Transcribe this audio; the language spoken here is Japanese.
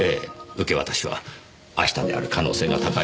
受け渡しは明日である可能性が高いですね。